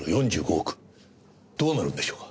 どうなるんでしょうか？